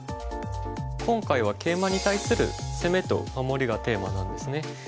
今回はケイマに対する攻めと守りがテーマなんですね。